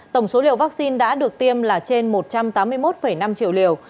tổng số liều vaccine đã được tiêm là trên một trăm tám mươi một năm triệu liều